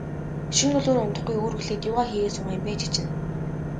Шөнө дөлөөр унтахгүй, үүрэглээд юугаа хийгээд суугаа юм бэ, чи чинь.